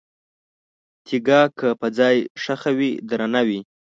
تیګه که په ځای ښخه وي، درنه وي؛